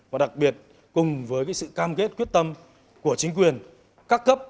và đặc biệt cùng với sự cam kết quyết tâm của chính quyền các cấp